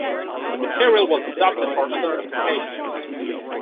The material was adopted for other applications.